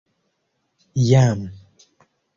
Jam.